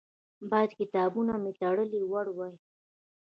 باید کتابونه مې ترې وړي وای.